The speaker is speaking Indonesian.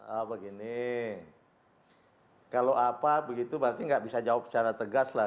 ah begini kalau apa begitu berarti nggak bisa jawab secara tegas lah